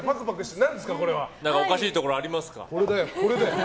何かおかしいところありますか？